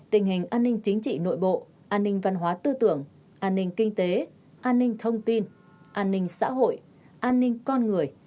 tình hình an ninh chính trị nội bộ an ninh văn hóa tư tưởng an ninh kinh tế an ninh thông tin an ninh xã hội an ninh con người